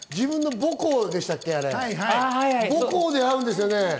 母校で会うんですよね。